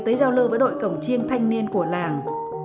tới giao lưu với đội cổng chiêng thanh niên của làng